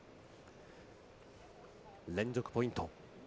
連続ポイント。